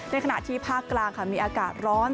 ขณะที่ภาคกลางค่ะมีอากาศร้อน